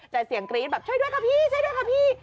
แต่เสียงกรี๊ดแบบช่วยด้วยค่ะพี่ช่วยด้วยค่ะพี่